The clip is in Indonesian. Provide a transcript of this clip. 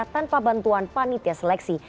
tanpa bantuan panitia seleksi